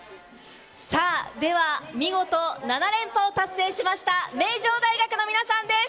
では見事７連覇を達成しました名城大学の皆さんです。